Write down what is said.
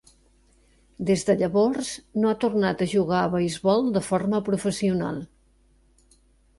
Des de llavors, no ha tornat a jugar a beisbol de forma professional.